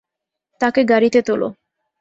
তাকে গাড়িতে তোলো।